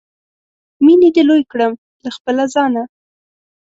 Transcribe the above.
مینې دې لوی کړم له خپله ځانه